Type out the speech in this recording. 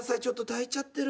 たいちゃってる？